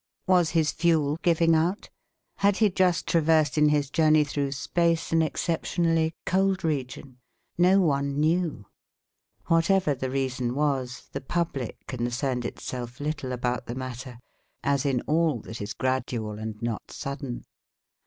Was his fuel giving out? Had he just traversed in his journey through space an exceptionally cold region? No one knew. Whatever the reason was, the public concerned itself little about the matter, as in all that is gradual and not sudden.